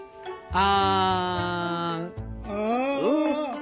あ。